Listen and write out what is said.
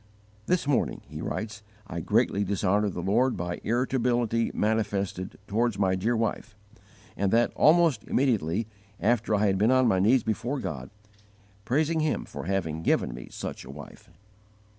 "This morning," he writes, "I greatly dishonoured the Lord by irritability manifested towards my dear wife; and that, almost immediately after I had been on my knees before God, praising Him for having given me such a wife."